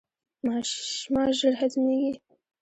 ماش ژر هضمیږي.